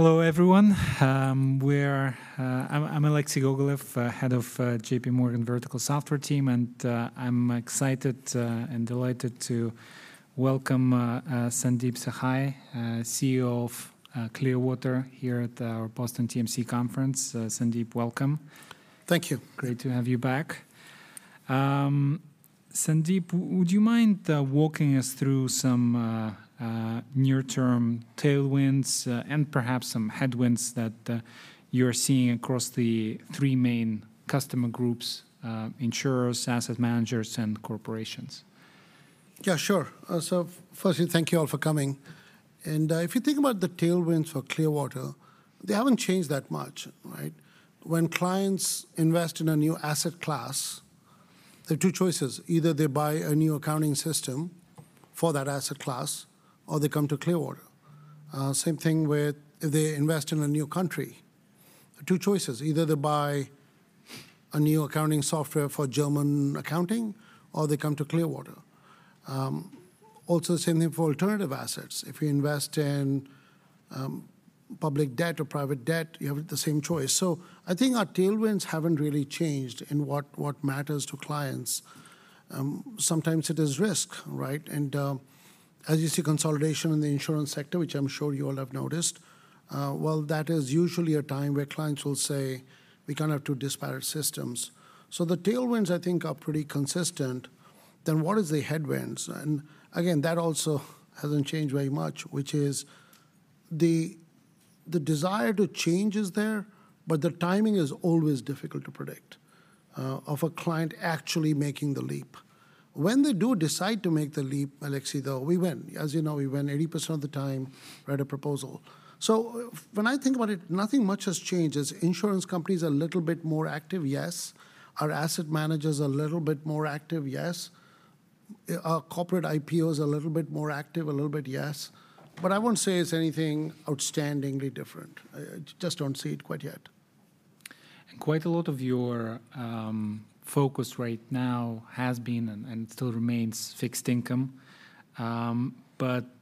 Hello, everyone. I'm Alexei Gogolev, head of JPMorgan Vertical Software team, and I'm excited and delighted to welcome Sandeep Sahai, CEO of Clearwater, here at our Boston TMC conference. Sandeep, welcome. Thank you. Great to have you back. Sandeep, would you mind walking us through some near-term tailwinds, and perhaps some headwinds that you're seeing across the three main customer groups: insurers, asset managers, and corporations? Yeah, sure. So firstly, thank you all for coming, and if you think about the tailwinds for Clearwater, they haven't changed that much, right? When clients invest in a new asset class, there are two choices: either they buy a new accounting system for that asset class, or they come to Clearwater. Same thing with if they invest in a new country. Two choices: either they buy a new accounting software for German accounting, or they come to Clearwater. Also the same thing for alternative assets. If you invest in public debt or private debt, you have the same choice. So I think our tailwinds haven't really changed in what matters to clients. Sometimes it is risk, right? And, as you see consolidation in the insurance sector, which I'm sure you all have noticed, well, that is usually a time where clients will say, We can't have two disparate systems. So the tailwinds, I think, are pretty consistent. Then what is the headwinds? And again, that also hasn't changed very much, which is the, the desire to change is there, but the timing is always difficult to predict, of a client actually making the leap. When they do decide to make the leap, Alexei, though, we win. As you know, we win 80% of the time, write a proposal. So when I think about it, nothing much has changed. As insurance companies a little bit more active, yes. Are asset managers a little bit more active? Yes. Are corporate IPOs a little bit more active? A little bit, yes. But I wouldn't say it's anything outstandingly different. I, I just don't see it quite yet. Quite a lot of your focus right now has been and still remains fixed income. But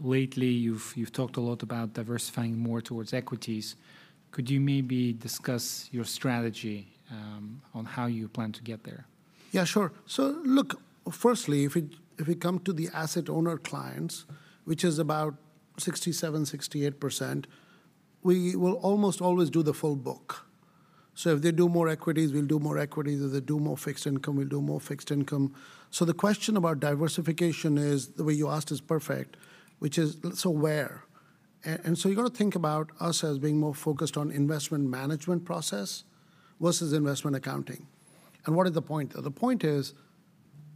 lately you've talked a lot about diversifying more towards equities. Could you maybe discuss your strategy on how you plan to get there? Yeah, sure. So look, firstly, if we, if we come to the asset owner clients, which is about 67%-68%, we will almost always do the full book. So if they do more equities, we'll do more equities. If they do more fixed income, we'll do more fixed income. So the question about diversification is, the way you asked is perfect, which is, so where? And, and so you've got to think about us as being more focused on investment management process versus investment accounting. And what is the point? The point is,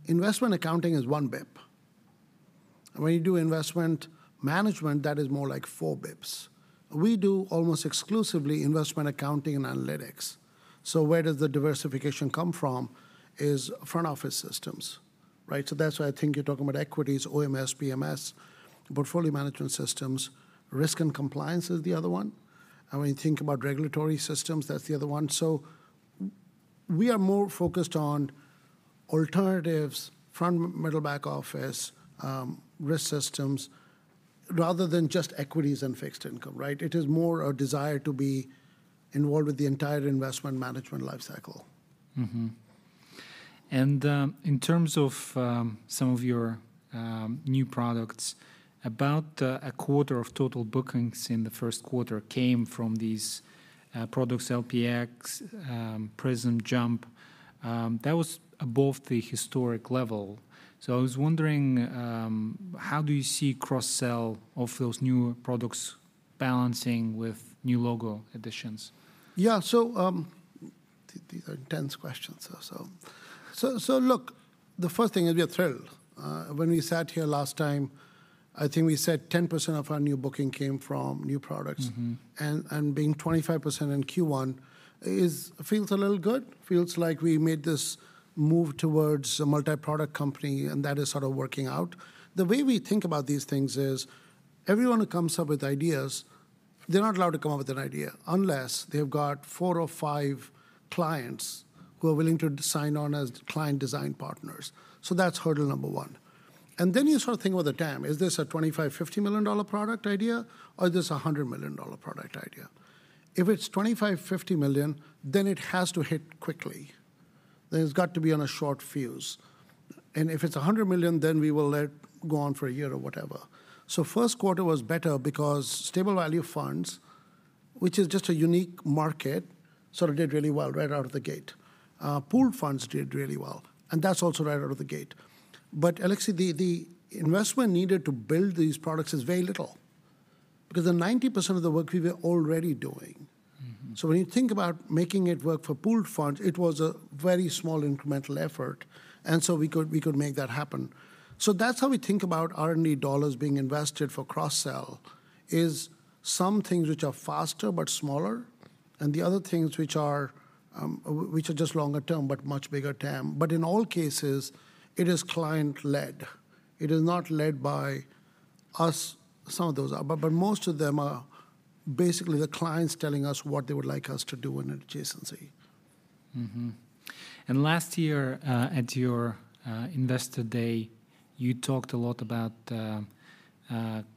investment accounting is one basis point. When you do investment management, that is more like four basis points. We do almost exclusively investment accounting and analytics. So where does the diversification come from is front office systems, right? So that's why I think you're talking about equities, OMS, PMS, portfolio management systems, risk and compliance is the other one, and when you think about regulatory systems, that's the other one. So we are more focused on alternatives, front, middle, back office, risk systems, rather than just equities and fixed income, right? It is more a desire to be involved with the entire investment management life cycle. And, in terms of some of your new products, about a quarter of total bookings in the first quarter came from these products, LPx, Prism, JUMP. That was above the historic level. So I was wondering how you see cross-sell of those new products balancing with new logo additions? Yeah. So, these are intense questions. So look, the first thing is we are thrilled. When we sat here last time, I think we said 10% of our new booking came from new products. Mm-hmm. Being 25% in Q1 feels a little good, feels like we made this move towards a multi-product company, and that is sort of working out. The way we think about these things is everyone who comes up with ideas, they're not allowed to come up with an idea unless they've got four or five clients who are willing to sign on as client design partners. So that's hurdle number one. Then you sort of think about the TAM. Is this a $25-$50 million product idea, or this a $100 million product idea? If it's $25-$50 million, then it has to hit quickly, then it's got to be on a short fuse. And if it's $100 million, then we will let go on for a year or whatever. So first quarter was better because stable value funds, which is just a unique market, sort of did really well right out of the gate. pooled funds did really well, and that's also right out of the gate. But Alexei, the investment needed to build these products is very little, because 90% of the work we were already doing. Mm-hmm. So when you think about making it work for pooled funds, it was a very small incremental effort, and so we could, we could make that happen. So that's how we think about R&D dollars being invested for cross-sell, is some things which are faster but smaller, and the other things which are just longer term, but much bigger TAM. But in all cases, it is client-led. It is not led by us. Some of those are, but most of them are basically the clients telling us what they would like us to do in adjacency.... Mm-hmm. And last year, at your Investor Day, you talked a lot about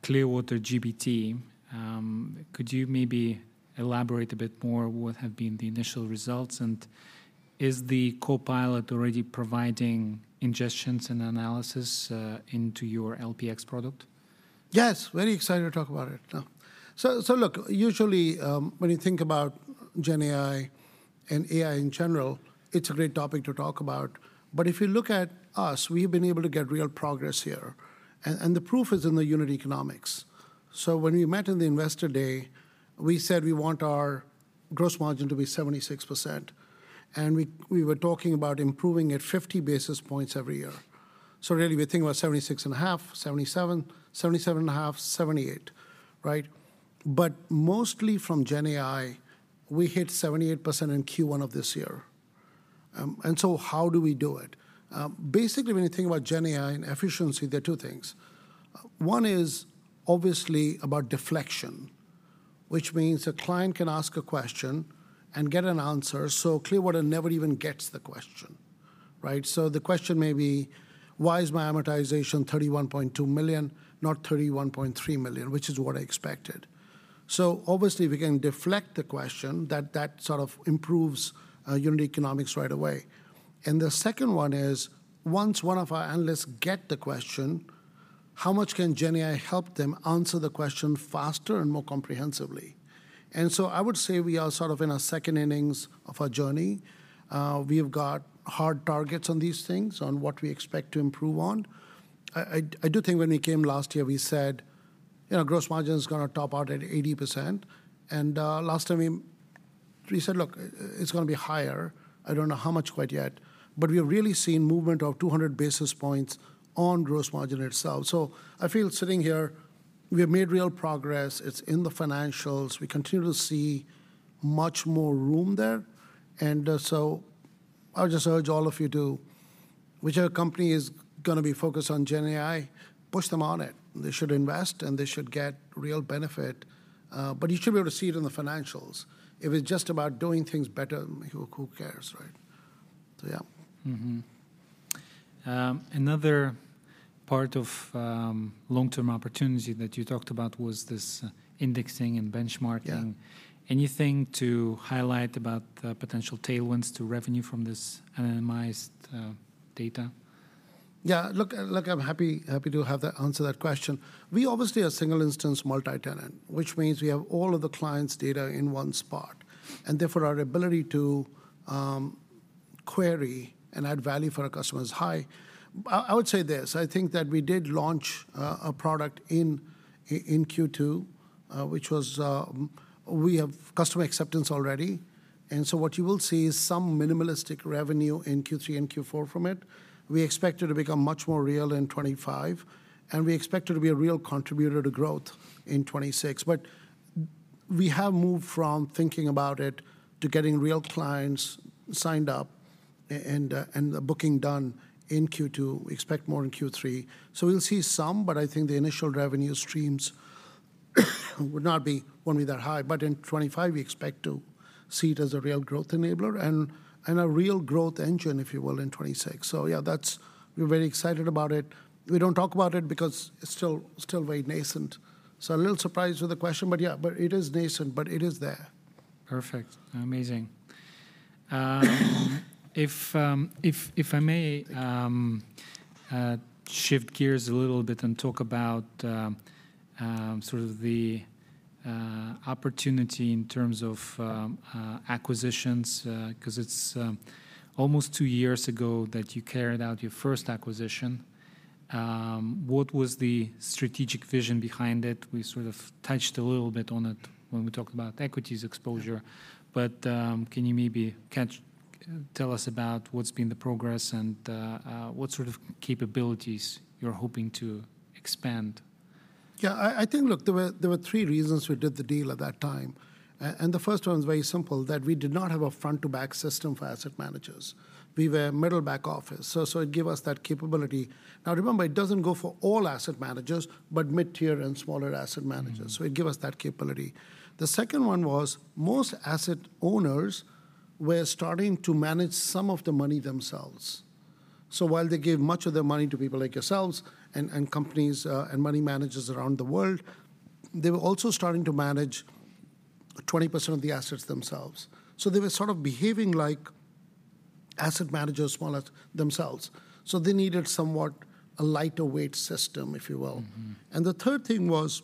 Clearwater GPT. Could you maybe elaborate a bit more what have been the initial results? And is the copilot already providing ingestions and analysis into your LPx product? Yes, very excited to talk about it now. So, so look, usually, when you think about GenAI and AI in general, it's a great topic to talk about. But if you look at us, we've been able to get real progress here, and, and the proof is in the unit economics. So when we met in the Investor Day, we said we want our gross margin to be 76%, and we, we were talking about improving it 50 basis points every year. So really, we're thinking about 76.5%, 77%, 77.5%, 78%, right? But mostly from GenAI, we hit 78% in Q1 of this year. And so how do we do it? Basically, when you think about GenAI and efficiency, there are two things. One is obviously about deflection, which means a client can ask a question and get an answer, so Clearwater never even gets the question, right? So the question may be: Why is my amortization $31.2 million, not $31.3 million, which is what I expected? So obviously, we can deflect the question that sort of improves unit economics right away. And the second one is, once one of our analysts get the question, how much can GenAI help them answer the question faster and more comprehensively? And so I would say we are sort of in our second innings of our journey. We have got hard targets on these things, on what we expect to improve on. I do think when we came last year, we said, you know, gross margin is gonna top out at 80%, and last time we said, "Look, it's gonna be higher. I don't know how much quite yet," but we are really seeing movement of 200 basis points on gross margin itself. So I feel sitting here, we have made real progress. It's in the financials. We continue to see much more room there, and so I would just urge all of you to, whichever company is gonna be focused on GenAI, push them on it. They should invest, and they should get real benefit. But you should be able to see it in the financials. If it's just about doing things better, who cares, right? So yeah. Mm-hmm. Another part of long-term opportunity that you talked about was this indexing and benchmarking. Yeah. Anything to highlight about potential tailwinds to revenue from this anonymized data? Yeah. Look, I'm happy to have that—answer that question. We obviously are single instance, multi-tenant, which means we have all of the clients' data in one spot, and therefore, our ability to query and add value for our customer is high. I would say this: I think that we did launch a product in Q2, which was... We have customer acceptance already, and so what you will see is some minimalistic revenue in Q3 and Q4 from it. We expect it to become much more real in 2025, and we expect it to be a real contributor to growth in 2026. But we have moved from thinking about it to getting real clients signed up and the booking done in Q2. We expect more in Q3. So we'll see some, but I think the initial revenue streams would not be - won't be that high. But in 2025, we expect to see it as a real growth enabler and, and a real growth engine, if you will, in 2026. So yeah, that's - we're very excited about it. We don't talk about it because it's still, still very nascent. So a little surprised with the question, but yeah, but it is nascent, but it is there. Perfect. Amazing. If I may, shift gears a little bit and talk about sort of the opportunity in terms of acquisitions, 'cause it's almost two years ago that you carried out your first acquisition. What was the strategic vision behind it? We sort of touched a little bit on it when we talked about equities exposure. Yeah. But, can you tell us about what's been the progress and what sort of capabilities you're hoping to expand? Yeah, I think, look, there were three reasons we did the deal at that time. And the first one is very simple, that we did not have a front-to-back system for asset managers. We were middle back office, so it gave us that capability. Now, remember, it doesn't go for all asset managers, but mid-tier and smaller asset managers- Mm-hmm. -so it gave us that capability. The second one was, most asset owners were starting to manage some of the money themselves. So while they gave much of their money to people like yourselves and, and companies, and money managers around the world, they were also starting to manage 20% of the assets themselves. So they were sort of behaving like asset managers, more or less, themselves. So they needed somewhat a lighter-weight system, if you will. Mm-hmm. The third thing was,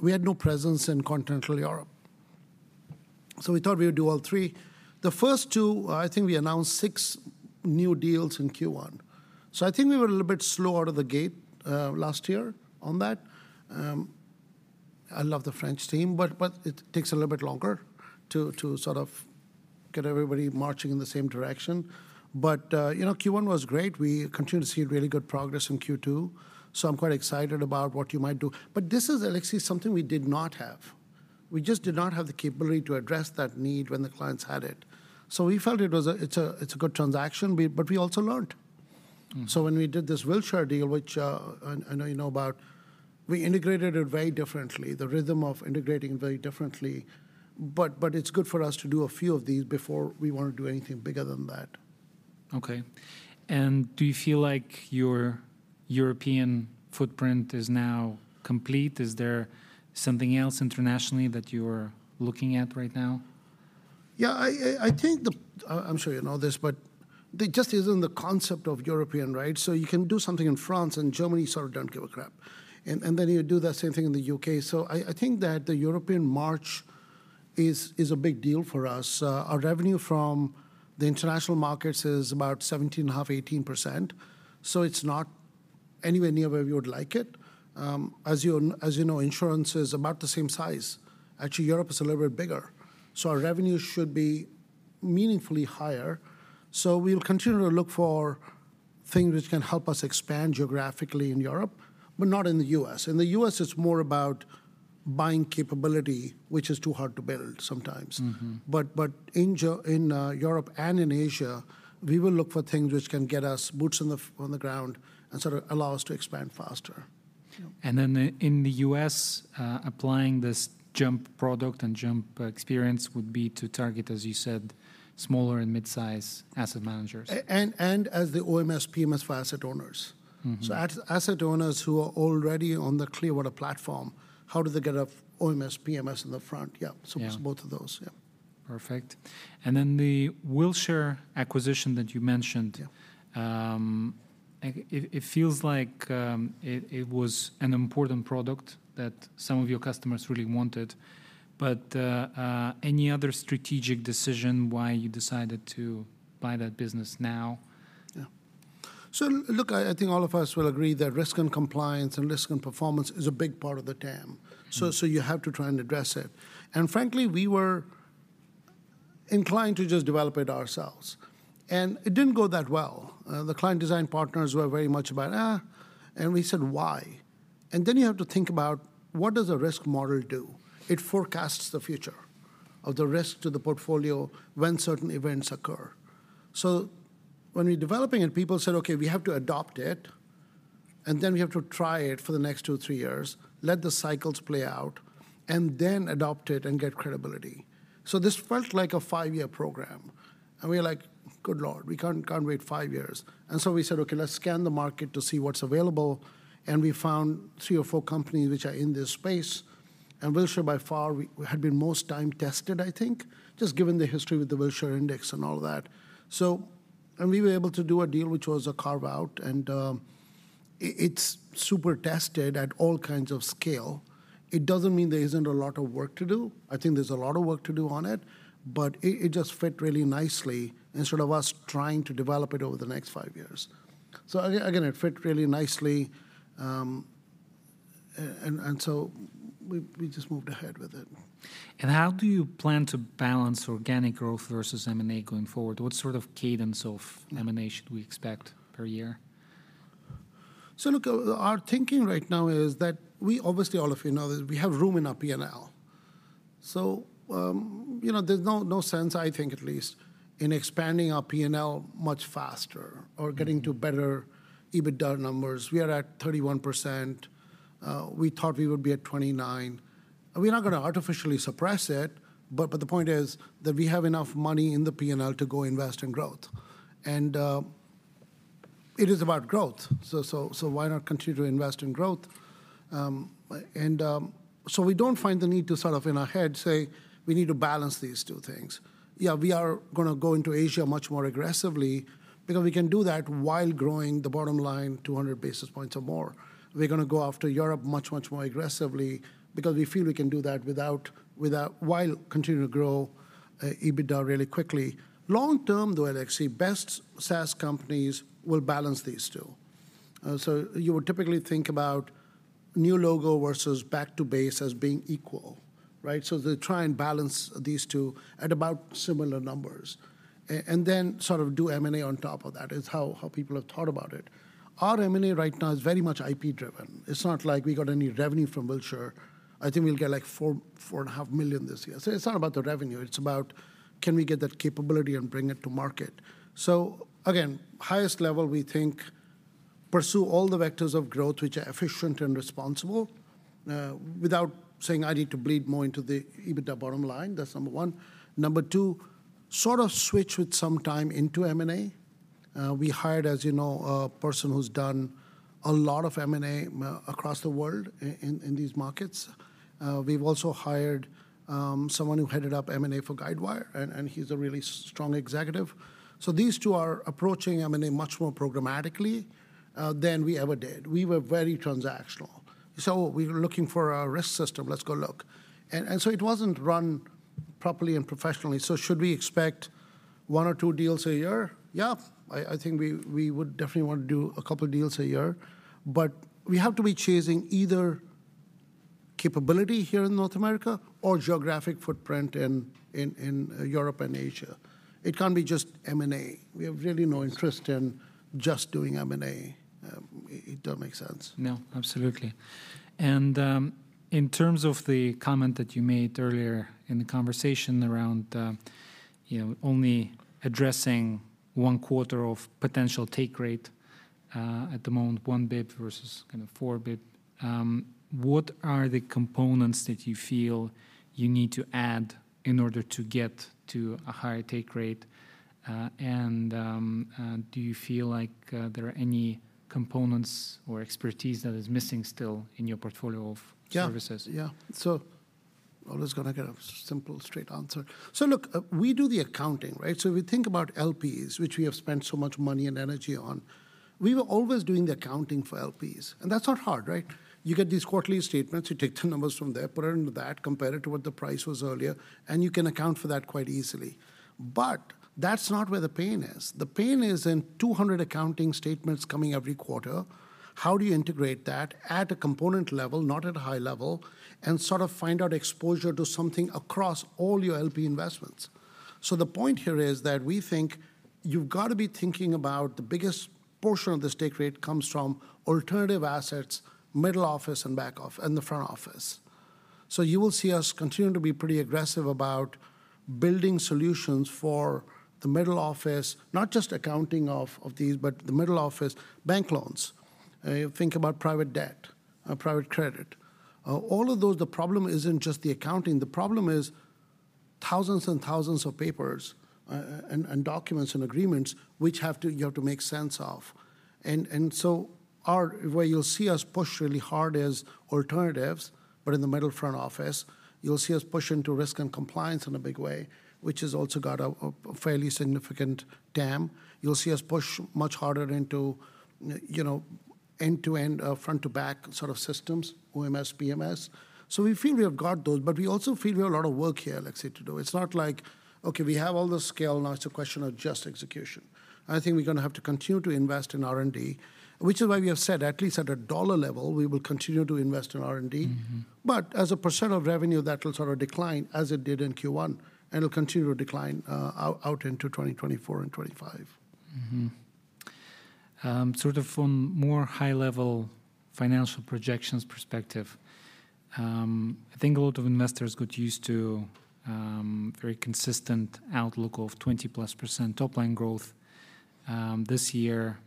we had no presence in Continental Europe, so we thought we would do all three. The first two, I think we announced six new deals in Q1. So I think we were a little bit slow out of the gate, last year on that. I love the French team, but it takes a little bit longer to sort of get everybody marching in the same direction. But, you know, Q1 was great. We continue to see really good progress in Q2, so I'm quite excited about what you might do. But this is actually something we did not have. We just did not have the capability to address that need when the clients had it. So we felt it was. It's a good transaction, but we also learned. So when we did this Wilshire deal, which, I know you know about, we integrated it very differently. The rhythm of integrating it very differently, but it's good for us to do a few of these before we wanna do anything bigger than that. Okay. Do you feel like your European footprint is now complete? Is there something else internationally that you're looking at right now? Yeah, I think the—I'm sure you know this, but there just isn't the concept of European, right? So you can do something in France, and Germany sort of don't give a crap, and then you do that same thing in the U.K.. So I think that the European march is a big deal for us. Our revenue from the international markets is about 17.5%-18%, so it's not anywhere near where we would like it. As you know, insurance is about the same size. Actually, Europe is a little bit bigger, so our revenue should be meaningfully higher. So we'll continue to look for things which can help us expand geographically in Europe, but not in the U.S.. In the U.S., it's more about buying capability, which is too hard to build sometimes. Mm-hmm. But in Europe and in Asia, we will look for things which can get us boots on the ground and sort of allow us to expand faster. In the U.S., applying this JUMP product and JUMP experience would be to target, as you said, smaller and mid-size asset managers. as the OMS, PMS for asset owners. Mm-hmm. So asset owners who are already on the Clearwater platform, how do they get a OMS, PMS in the front? Yeah. Yeah. So it's both of those, yeah. Perfect. Then the Wilshire acquisition that you mentioned- Yeah... It feels like it was an important product that some of your customers really wanted, but any other strategic decision why you decided to buy that business now? Yeah. So look, I, I think all of us will agree that risk and compliance and risk and performance is a big part of the TAM- Mm-hmm... so, so you have to try and address it. Frankly, we were inclined to just develop it ourselves, and it didn't go that well. The client design partners were very much about, Eh, and we said, Why? Then you have to think about, what does a risk model do? It forecasts the future of the risk to the portfolio when certain events occur. So when we were developing it, people said, Okay, we have to adopt it, and then we have to try it for the next 2-3 years, let the cycles play out, and then adopt it and get credibility. So this felt like a 5-year program, and we were like, Good Lord, we can't, can't wait 5 years. And so we said, Okay, let's scan the market to see what's available, and we found three or four companies which are in this space, and Wilshire by far had been most time-tested, I think, just given the history with the Wilshire Index and all that. So and we were able to do a deal which was a carve-out, and it's super tested at all kinds of scale. It doesn't mean there isn't a lot of work to do. I think there's a lot of work to do on it, but it just fit really nicely instead of us trying to develop it over the next five years. So again, it fit really nicely, and so we just moved ahead with it. How do you plan to balance organic growth versus M&A going forward? What sort of cadence of M&A should we expect per year? So look, our thinking right now is that we—obviously, all of you know this, we have room in our P&L. So, you know, there's no, no sense, I think at least, in expanding our P&L much faster- Mm... or getting to better EBITDA numbers. We are at 31%. We thought we would be at 29%. We're not gonna artificially suppress it, but, but the point is that we have enough money in the P&L to go invest in growth. And it is about growth, so, so, so why not continue to invest in growth? And so we don't find the need to sort of in our head say, We need to balance these two things. Yeah, we are gonna go into Asia much more aggressively because we can do that while growing the bottom line 200 basis points or more. We're gonna go after Europe much, much more aggressively because we feel we can do that without, without... while continuing to grow EBITDA really quickly. Long term, though, Alexei, best SaaS companies will balance these two. So you would typically think about new logo versus back to base as being equal, right? So they try and balance these two at about similar numbers and then sort of do M&A on top of that, is how people have thought about it. Our M&A right now is very much IP-driven. It's not like we got any revenue from Wilshire. I think we'll get, like, $4-$4.5 million this year. So it's not about the revenue; it's about, can we get that capability and bring it to market? So again, highest level, we think, pursue all the vectors of growth which are efficient and responsible, without saying, I need to bleed more into the EBITDA bottom line. That's number one. Number two, sort of switch with some time into M&A. We hired, as you know, a person who's done a lot of M&A across the world in these markets. We've also hired someone who headed up M&A for Guidewire, and he's a really strong executive. So these two are approaching M&A much more programmatically than we ever did. We were very transactional. So we were looking for a risk system, let's go look, and so it wasn't run properly and professionally. So should we expect one or two deals a year? Yeah, I think we would definitely want to do a couple deals a year, but we have to be chasing either capability here in North America or geographic footprint in Europe and Asia. It can't be just M&A. We have really no interest in just doing M&A.... it don't make sense. No, absolutely. And, in terms of the comment that you made earlier in the conversation around, you know, only addressing one quarter of potential take rate, at the moment, one basis point versus kind of four basis points, what are the components that you feel you need to add in order to get to a higher take rate? And, do you feel like, there are any components or expertise that is missing still in your portfolio of- Yeah -services? Yeah. So always gonna get a simple, straight answer. So look, we do the accounting, right? So we think about LPs, which we have spent so much money and energy on. We were always doing the accounting for LPs, and that's not hard, right? You get these quarterly statements, you take the numbers from there, put it into that, compare it to what the price was earlier, and you can account for that quite easily. But that's not where the pain is. The pain is in 200 accounting statements coming every quarter. How do you integrate that at a component level, not at a high level, and sort of find out exposure to something across all your LP investments? So the point here is that we think you've got to be thinking about the biggest portion of this take rate comes from alternative assets, middle office, and back office, and the front office. So you will see us continuing to be pretty aggressive about building solutions for the middle office, not just accounting of these, but the middle office bank loans. You think about private debt, private credit. All of those, the problem isn't just the accounting, the problem is thousands and thousands of papers, and documents and agreements which you have to make sense of. And so, where you'll see us push really hard is alternatives, but in the middle front office, you'll see us push into risk and compliance in a big way, which has also got a fairly significant TAM. You'll see us push much harder into, you know, end-to-end, front-to-back sort of systems, OMS, PMS. So we feel we have got those, but we also feel we have a lot of work here, Alexei, to do. It's not like, okay, we have all the scale, now it's a question of just execution. I think we're gonna have to continue to invest in R&D, which is why we have said at least at a dollar level, we will continue to invest in R&D. Mm-hmm. But as a % of revenue, that will sort of decline as it did in Q1, and it'll continue to decline into 2024 and 2025. Mm-hmm. Sort of from more high-level financial projections perspective, I think a lot of investors got used to very consistent outlook of 20%+ top-line growth. This year,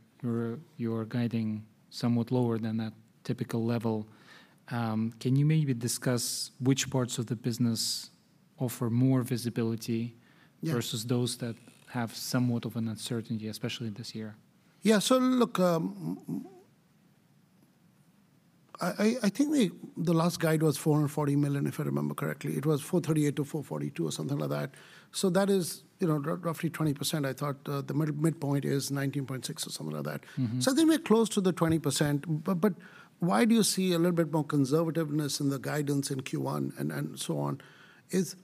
you're guiding somewhat lower than that typical level. Can you maybe discuss which parts of the business offer more visibility- Yeah... versus those that have somewhat of an uncertainty, especially this year? Yeah. So look, I think the last guide was $440 million, if I remember correctly. It was $438 million-$442 million or something like that. So that is, you know, roughly 20%. I thought, the midpoint is 19.6% or something like that. Mm-hmm. So I think we're close to the 20%. But why do you see a little bit more conservativeness in the guidance in Q1 and so on? Is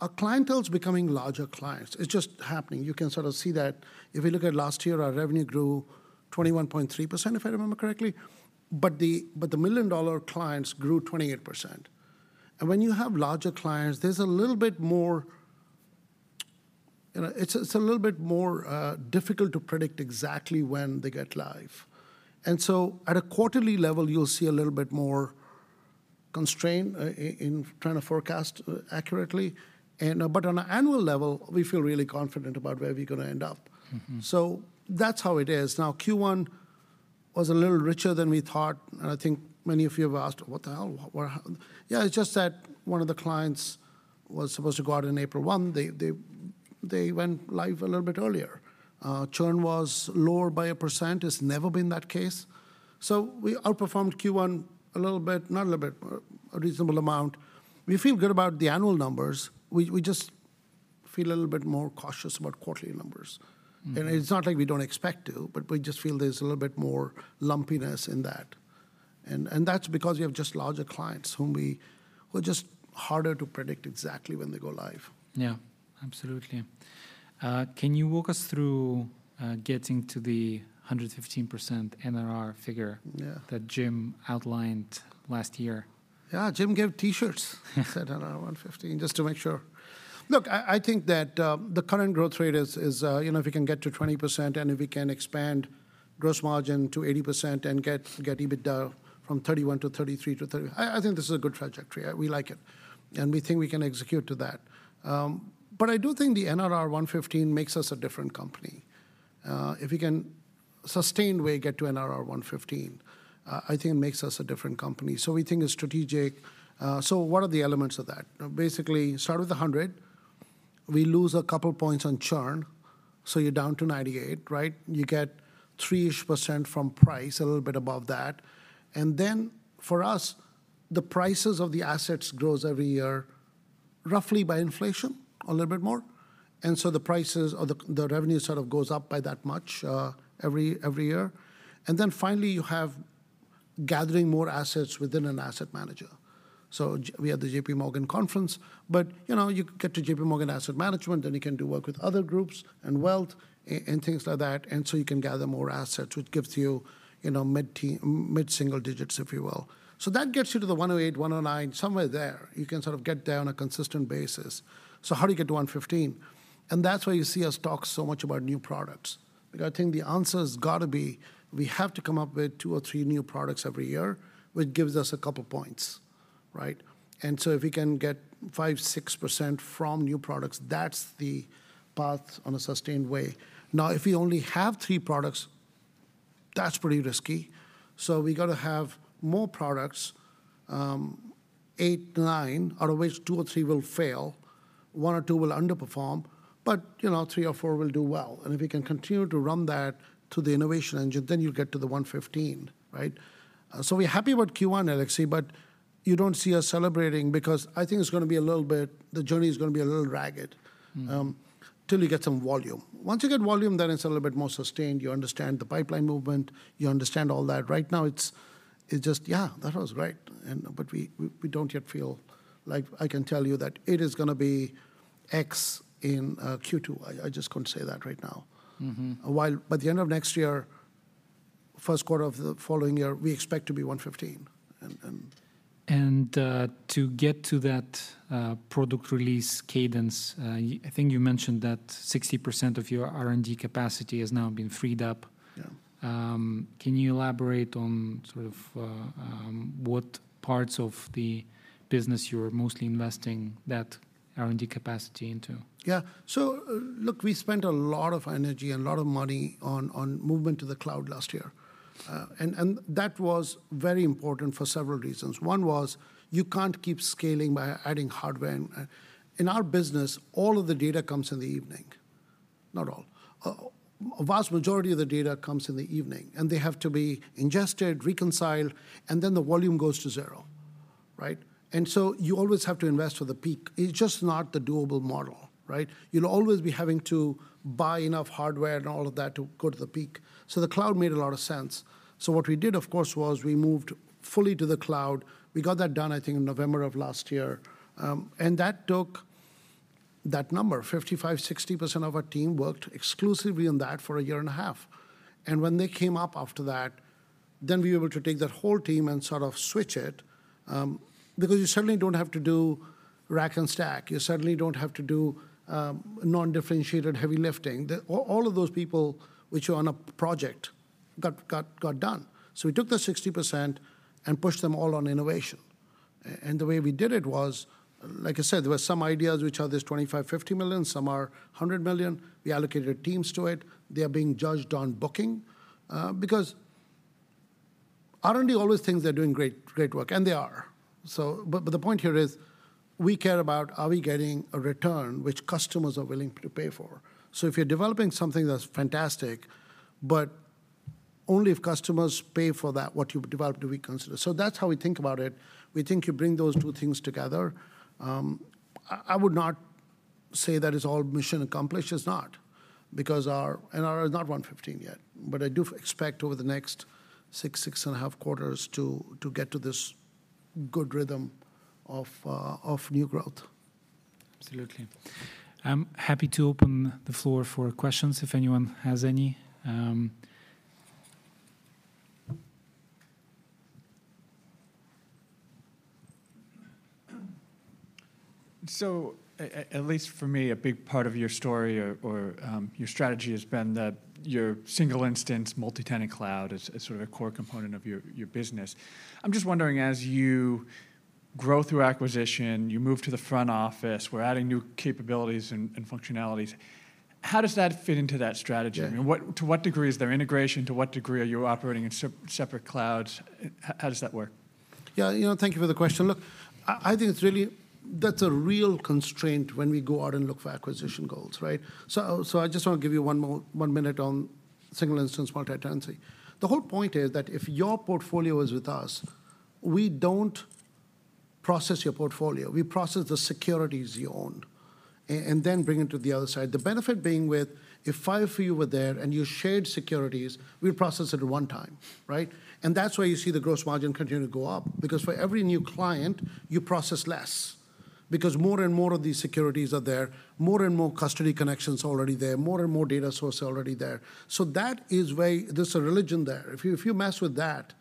our clientele becoming larger clients. It's just happening. You can sort of see that if we look at last year, our revenue grew 21.3%, if I remember correctly, but the million-dollar clients grew 28%. And when you have larger clients, there's a little bit more... You know, it's a little bit more difficult to predict exactly when they get live. And so at a quarterly level, you'll see a little bit more constraint in trying to forecast accurately. But on an annual level, we feel really confident about where we're gonna end up. Mm-hmm. So that's how it is. Now, Q1 was a little richer than we thought, and I think many of you have asked, What the hell? What, where... Yeah, it's just that one of the clients was supposed to go out on April 1. They went live a little bit earlier. Churn was lower by 1%. It's never been that case. So we outperformed Q1 a little bit, not a little bit, a reasonable amount. We feel good about the annual numbers. We, we just feel a little bit more cautious about quarterly numbers. Mm-hmm. And it's not like we don't expect to, but we just feel there's a little bit more lumpiness in that. And, and that's because we have just larger clients whom we—who are just harder to predict exactly when they go live. Yeah, absolutely. Can you walk us through getting to the 115% NRR figure- Yeah... that Jim outlined last year? Yeah, Jim gave T-shirts that said NRR 115%, just to make sure. Look, I think that the current growth rate is, you know, if we can get to 20%, and if we can expand gross margin to 80% and get EBITDA from 31 to 33 to 30, I think this is a good trajectory. We like it, and we think we can execute to that. But I do think the NRR 115 makes us a different company. If we can sustain, we get to NRR 115, I think it makes us a different company. So we think it's strategic. So what are the elements of that? Basically, start with 100. We lose a couple points on churn, so you're down to 98, right? You get 3-ish% from price, a little bit above that. Then for us, the prices of the assets grows every year, roughly by inflation, a little bit more. And so the prices or the, the revenue sort of goes up by that much, every, every year. And then finally, you have gathering more assets within an asset manager. So we had the JPMorgan conference, but, you know, you get to JPMorgan Asset Management, then you can do work with other groups and wealth and things like that, and so you can gather more assets, which gives you, you know, mid-single digits, if you will. So that gets you to the 108%, 109%, somewhere there. You can sort of get there on a consistent basis. So how do you get to 115%? That's why you see us talk so much about new products. I think the answer has got to be, we have to come up with two or three new products every year, which gives us a couple points.... right? And so if we can get 5%-6% from new products, that's the path on a sustained way. Now, if we only have three products, that's pretty risky, so we gotta have more products, eight-nine, out of which two or three will fail, one or two will underperform, but, you know, three or four will do well. And if we can continue to run that through the innovation engine, then you'll get to the 115%, right? So we're happy about Q1, Alexei, but you don't see us celebrating because I think it's gonna be a little bit, the journey is gonna be a little ragged- Mm. Till you get some volume. Once you get volume, then it's a little bit more sustained. You understand the pipeline movement, you understand all that. Right now, it's, it's just, yeah, that was great, and but we, we, we don't yet feel like I can tell you that it is gonna be X in Q2. I, I just couldn't say that right now. Mm-hmm. While by the end of next year, first quarter of the following year, we expect to be 115%, and- To get to that product release cadence, I think you mentioned that 60% of your R&D capacity has now been freed up. Yeah. Can you elaborate on sort of what parts of the business you're mostly investing that R&D capacity into? Yeah. So, look, we spent a lot of energy and a lot of money on movement to the cloud last year. And that was very important for several reasons. One was, you can't keep scaling by adding hardware. And in our business, all of the data comes in the evening. Not all. A vast majority of the data comes in the evening, and they have to be ingested, reconciled, and then the volume goes to zero, right? And so you always have to invest for the peak. It's just not the doable model, right? You'll always be having to buy enough hardware and all of that to go to the peak, so the cloud made a lot of sense. So what we did, of course, was we moved fully to the cloud. We got that done, I think, in November of last year. And that took... That number, 55-60% of our team worked exclusively on that for a year and a half, and when they came up after that, then we were able to take that whole team and sort of switch it, because you certainly don't have to do rack and stack. You certainly don't have to do non-differentiated heavy lifting. The all, all of those people which are on a project got done. So we took the 60% and pushed them all on innovation. And the way we did it was, like I said, there were some ideas which are this $25-$50 million, some are $100 million. We allocated teams to it. They are being judged on booking, because R&D always thinks they're doing great, great work, and they are. But the point here is, we care about are we getting a return which customers are willing to pay for? So if you're developing something, that's fantastic, but only if customers pay for that, what you've developed, do we consider. So that's how we think about it. We think you bring those two things together. I would not say that it's all mission accomplished. It's not, because our not 115% yet. But I do expect over the next 6.5 quarters to get to this good rhythm of new growth. Absolutely. I'm happy to open the floor for questions, if anyone has any. So, at least for me, a big part of your story or your strategy has been that your single-instance, multi-tenant cloud is sort of a core component of your business. I'm just wondering, as you grow through acquisition, you move to the front office, we're adding new capabilities and functionalities, how does that fit into that strategy? Yeah. I mean, to what degree is there integration? To what degree are you operating in separate clouds? How does that work? Yeah, you know, thank you for the question. Look, I, I think it's really... That's a real constraint when we go out and look for acquisition goals, right? So, so I just want to give you one more- one minute on single-instance multi-tenancy. The whole point is that if your portfolio is with us, we don't process your portfolio. We process the securities you own a- and then bring it to the other side. The benefit being with, if five of you were there and you shared securities, we'd process it one time, right? And that's why you see the gross margin continue to go up, because for every new client, you process less. Because more and more of these securities are there, more and more custody connections are already there, more and more data source are already there. So that is why there's a religion there. If you mess with that,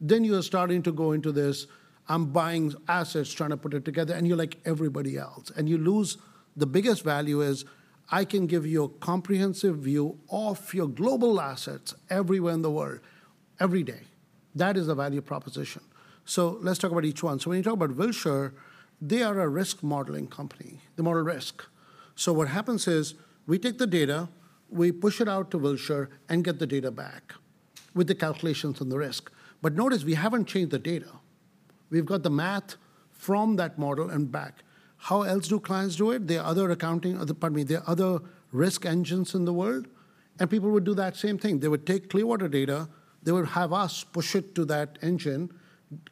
then you are starting to go into this, I'm buying assets, trying to put it together, and you're like everybody else, and you lose... The biggest value is I can give you a comprehensive view of your global assets everywhere in the world, every day. That is a value proposition. So let's talk about each one. So when you talk about Wilshire, they are a risk modeling company. They model risk. So what happens is, we take the data, we push it out to Wilshire and get the data back with the calculations and the risk. But notice, we haven't changed the data. We've got the math from that model and back. How else do clients do it? There are other accounting, other, pardon me, there are other risk engines in the world, and people would do that same thing. They would take Clearwater data, they would have us push it to that engine,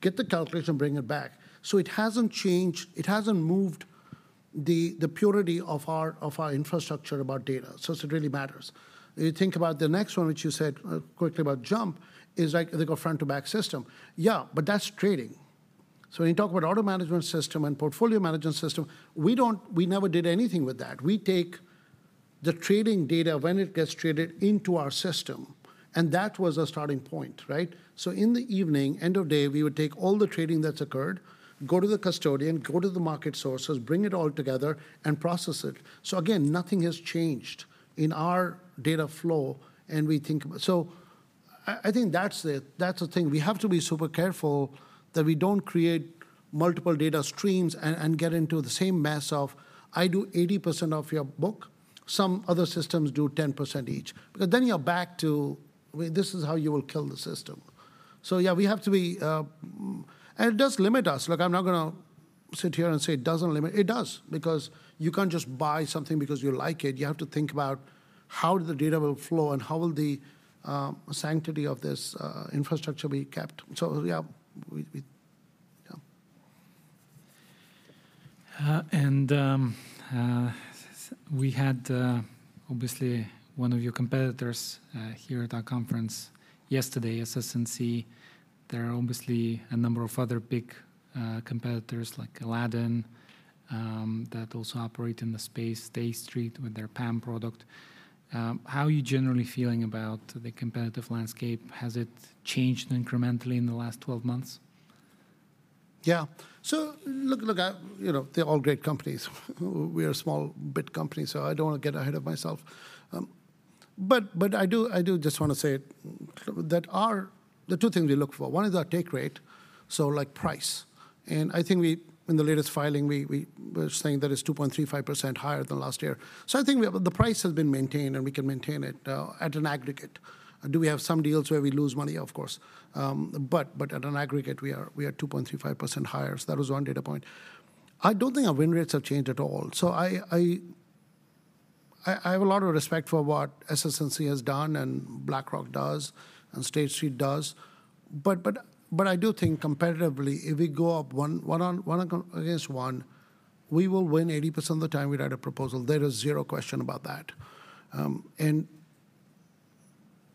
get the calculation, and bring it back. So it hasn't changed, it hasn't moved the, the purity of our, of our infrastructure about data, so it really matters. You think about the next one, which you said quickly about JUMP, is like, they call front-to-back system. Yeah, but that's trading. So when you talk about order management system and portfolio management system, we don't, we never did anything with that. We take the trading data when it gets traded into our system, and that was our starting point, right? So in the evening, end of day, we would take all the trading that's occurred, go to the custodian, go to the market sources, bring it all together, and process it. So again, nothing has changed in our data flow, and we think... So-... I think that's the thing. We have to be super careful that we don't create multiple data streams and get into the same mess of I do 80% of your book, some other systems do 10% each. Because then you're back to. Well, this is how you will kill the system. So yeah, we have to be. And it does limit us. Look, I'm not gonna sit here and say it doesn't limit. It does, because you can't just buy something because you like it. You have to think about how the data will flow, and how will the sanctity of this infrastructure be kept? So yeah, we yeah. And we had obviously one of your competitors here at our conference yesterday, SS&C. There are obviously a number of other big competitors like Aladdin that also operate in the space, State Street with their PAM product. How are you generally feeling about the competitive landscape? Has it changed incrementally in the last 12 months? Yeah. So look, you know, they're all great companies. We are a small bit company, so I don't want to get ahead of myself. But, but I do, I do just want to say that our... There are two things we look for. One is our take rate, so, like, price, and I think we, in the latest filing, we were saying that it's 2.35% higher than last year. So I think we have the price has been maintained, and we can maintain it at an aggregate. Do we have some deals where we lose money? Of course. But, but at an aggregate, we are, we are 2.35% higher, so that was one data point. I don't think our win rates have changed at all. So I have a lot of respect for what SS&C has done and BlackRock does and State Street does, but I do think competitively, if we go up one on one against one, we will win 80% of the time we write a proposal. There is zero question about that. And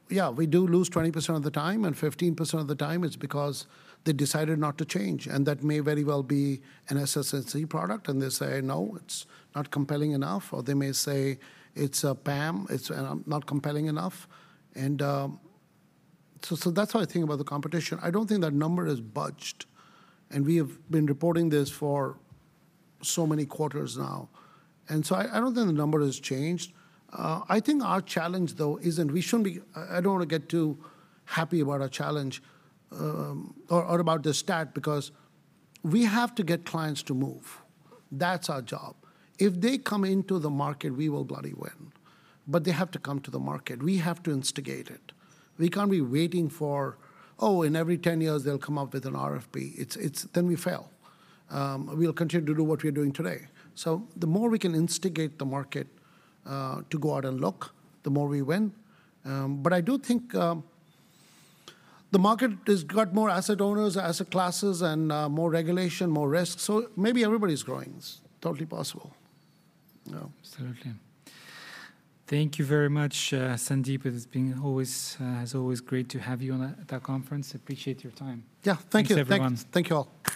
yeah, we do lose 20% of the time, and 15% of the time it's because they decided not to change, and that may very well be an SS&C product, and they say, "No, it's not compelling enough," or they may say, "It's a PAM. It's not compelling enough." And so that's how I think about the competition. I don't think that number has budged, and we have been reporting this for so many quarters now. And so I don't think the number has changed. I think our challenge, though. I don't want to get too happy about our challenge, or about the stat because we have to get clients to move. That's our job. If they come into the market, we will bloody win, but they have to come to the market. We have to instigate it. We can't be waiting for, Oh, in every 10 years, they'll come up with an RFP. Then we fail. We'll continue to do what we're doing today. So the more we can instigate the market to go out and look, the more we win. But I do think the market has got more asset owners, asset classes, and more regulation, more risk, so maybe everybody's growing. It's totally possible. Yeah. Absolutely. Thank you very much, Sandeep. It has been always, as always, great to have you on at our conference. I appreciate your time. Yeah. Thank you. Thanks, everyone. Thank you, all.